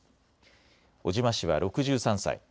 尾島氏は６３歳。